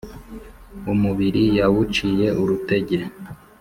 umubiri yawuciye urutenga.